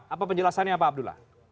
apa penjelasannya pak abdullah